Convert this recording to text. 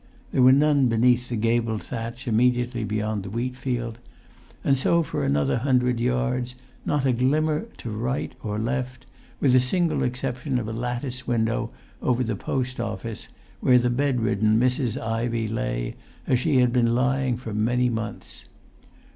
There were none beneath the gabled thatch immediately beyond the wheatfield; and so for another hundred yards; not a glimmer to right or left, with the single exception of a lattice window over the post office, where the bed ridden Mrs. Ivey lay as she had been lying for many months.